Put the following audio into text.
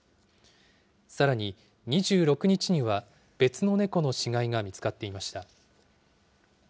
さらに、２６日には別の猫の死骸が見つかっていました。